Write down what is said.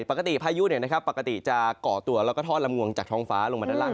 ปกติพายุจะเกาะตัวแล้วก็ท่อนลำงวงจากท้องฟ้าลงมาด้านล่าง